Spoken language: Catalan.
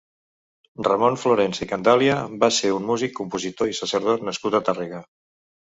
Ramon Florensa i Candàlia va ser un músic, compositor i sacerdot nascut a Tàrrega.